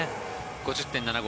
５０．７５。